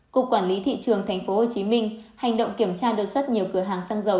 cục quản lý thị trường tp hcm hành động kiểm tra đột xuất nhiều cửa hàng xăng dầu